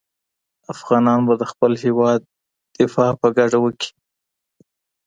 افغانان به د خپل هېواد دفاع په ګډه وکړي.